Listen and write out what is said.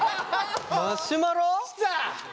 マシュマロ？来た！